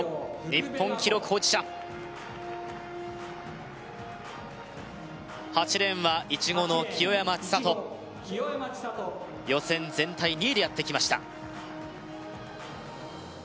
日本記録保持者８レーンはいちごの清山ちさと予選全体２位でやってきました